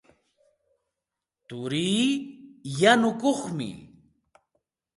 Turii yanukuqmi.